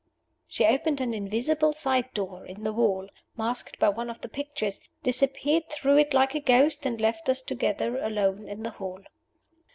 She opened an invisible side door in the wall, masked by one of the pictures disappeared through it like a ghost and left us together alone in the hall.